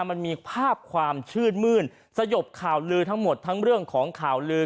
มันมีภาพความชื่นมื้นสยบข่าวลือทั้งหมดทั้งเรื่องของข่าวลือ